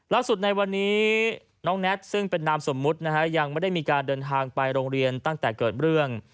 ในวันนี้น้องแน็ตซึ่งเป็นนามสมมุตินะฮะยังไม่ได้มีการเดินทางไปโรงเรียนตั้งแต่เกิดเรื่อง